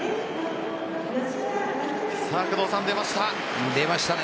工藤さん、出ました。